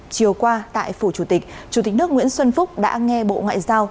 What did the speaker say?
chiều qua tại phủ chủ tịch chủ tịch nước nguyễn xuân phúc đã nghe bộ ngoại giao